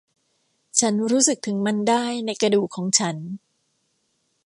ฉันรู้สึกถึงมันได้ในกระดูกของฉัน